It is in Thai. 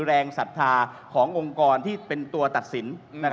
ศรัทธาขององค์กรที่เป็นตัวตัดสิน